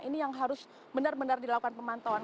ini yang harus benar benar dilakukan pemantauan